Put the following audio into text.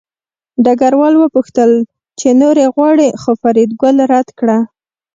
ډګروال وپوښتل چې نورې غواړې خو فریدګل رد کړه